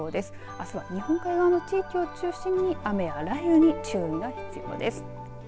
あすは日本海側の地域を中心に雨や雷雨に注意が必要です。